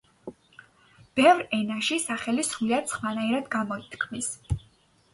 ბევრ ენაში სახელი სრულიად სხვანაირად გამოითქმის.